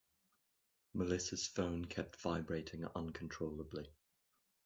Melissa's phone kept vibrating uncontrollably.